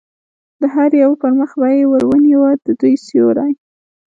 د هر یوه پر مخ به یې ور نیوه، د دوی سیوری.